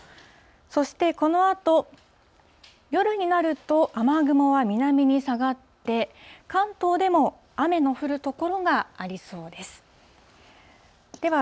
そしてこのあと夜になると、雨雲は南に下がって、関東でも雨の降る所がありそうです。